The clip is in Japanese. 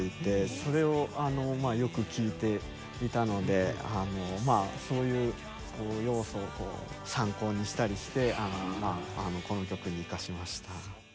それをよく聴いていたのでまあそういう要素をこう参考にしたりしてこの曲に生かしました。